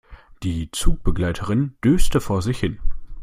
Die Zugbegleiterin döste vor sich hin.